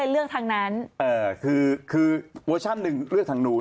สุดท้ายเขาก็เลยเลือกทางนั้น